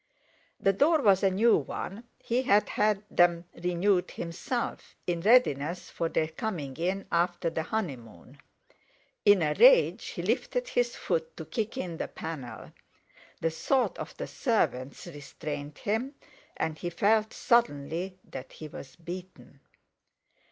The door was a new one—he had had them renewed himself, in readiness for their coming in after the honeymoon. In a rage he lifted his foot to kick in the panel; the thought of the servants restrained him, and he felt suddenly that he was beaten.